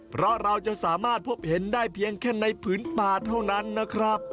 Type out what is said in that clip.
เพราะเราจะสามารถพบเห็นได้เพียงแค่ในผืนป่าเท่านั้นนะครับ